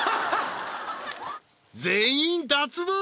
全員脱帽！